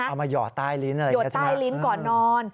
เอามาหย่อดใต้ลิ้นยอดใต้ลิ้นก่อนนอน